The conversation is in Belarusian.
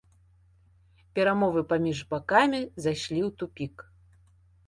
Перамовы паміж бакамі зайшлі ў тупік.